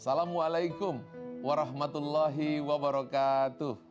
assalamualaikum warahmatullahi wabarakatuh